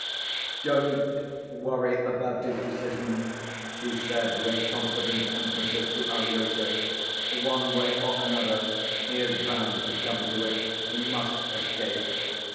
"Don't worry about his decision," she said, with confident emphasis to Alyosha. "One way or another he is bound to come to it. He must escape.